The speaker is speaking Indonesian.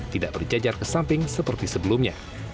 tidak berjajar ke samping seperti sebelumnya